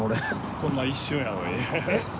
・こんな一瞬やのに